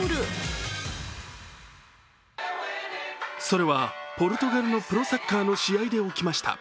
それはポルトガルのプロサッカーの試合で起きました。